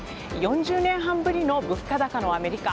４０年半ぶりの物価高のアメリカ。